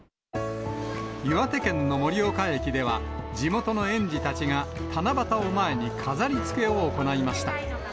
岩手県の盛岡駅では、地元の園児たちが、七夕を前に飾りつけを行いました。